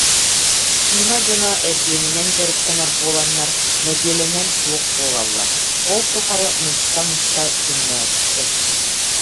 Тима дьоно эргиэнинэн дьарыктанар буоланнар нэдиэлэнэн суох буолаллар, ол тухары муста-муста күннээбиттэр